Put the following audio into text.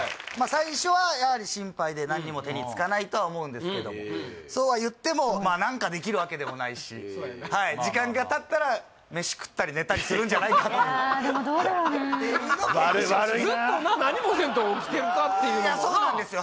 最初はやはり心配で何も手につかないとは思うんですけどもそうはいってもまあ何かできるわけでもないしそうやなはい時間がたったら飯食ったり寝たりするんじゃないかといういやでもどうだろうな悪いなあずっとな何もせんと起きてるかっていうのもなそうなんですよ